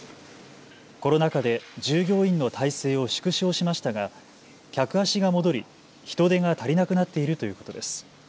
コロナ禍で従業員の態勢を縮小しましたが客足が戻り人手が足りなくなっているということです。